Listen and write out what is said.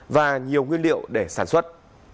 và nhiều nguyên liệu để sản xuất